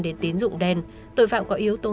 đến tiến dụng đen tội phạm có yếu tố